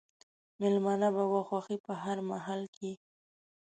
مېلمنه به وه خوښي په هر محل کښي